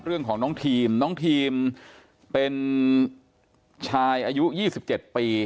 เรื่องของน้องทีมน้องทีมเป็นชายอายุยี่สิบเจ็ดปี